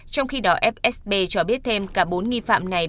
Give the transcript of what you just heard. trong khi đó fsb cho biết thêm cả bốn nghi phạm này